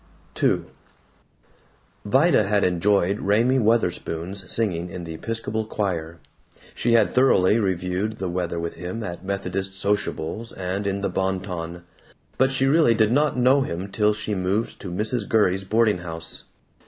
II Vida had enjoyed Raymie Wutherspoon's singing in the Episcopal choir; she had thoroughly reviewed the weather with him at Methodist sociables and in the Bon Ton. But she did not really know him till she moved to Mrs. Gurrey's boarding house.